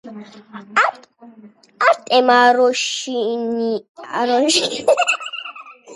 არტემ არონიშიძე ვარშავის დამცველთა რიგებში ჩადგა.